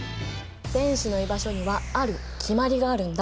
電子の居場所にはある決まりがあるんだ。